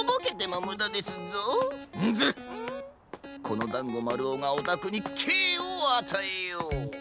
このだんごまるおがおたくにけいをあたえよう。